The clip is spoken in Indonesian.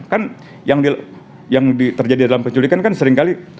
kan yang terjadi dalam penculikan kan seringkali